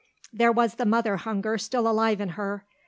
There was the mother hunger still alive in her.